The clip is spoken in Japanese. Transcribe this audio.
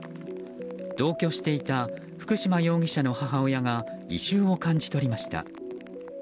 同居していた福島容疑者の母親が異臭を感じ取りました。